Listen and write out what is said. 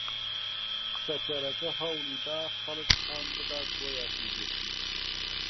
قسەکەرەکە هەوڵی دا خەڵک هان بدات بۆ یاخیبوون.